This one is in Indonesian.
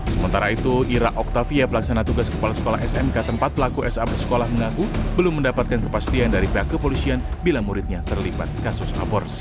sementara itu ira octavia pelaksana tugas kepala sekolah smk tempat pelaku sa bersekolah mengaku belum mendapatkan kepastian dari pihak kepolisian bila muridnya terlibat kasus aborsi